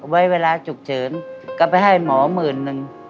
เวลาฉุกเฉินก็ไปให้หมอหมื่นนึง